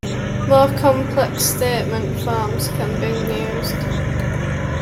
More complex statement forms can be used.